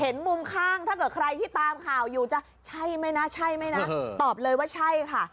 มุมข้างถ้าเกิดใครที่ตามข่าวอยู่จะใช่ไหมนะใช่ไหมนะตอบเลยว่าใช่ค่ะ